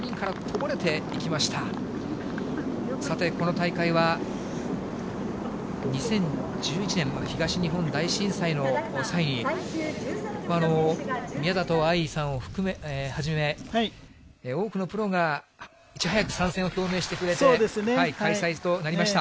さて、この大会は、２０１１年、東日本大震災の際に、宮里藍さんをはじめ、多くのプロがいち早く参戦を表明してくれて、開催となりました。